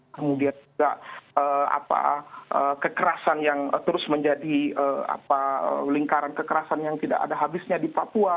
kemudian juga kekerasan yang terus menjadi lingkaran kekerasan yang tidak ada habisnya di papua